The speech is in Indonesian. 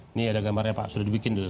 ini ada gambarnya pak sudah dibikin dulu